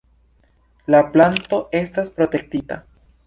La planto estas protektita.